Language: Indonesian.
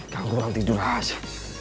gak ada orang tidur aja